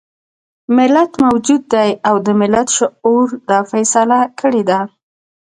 ملت موجود دی او د ملت شعور دا فيصله کړې ده.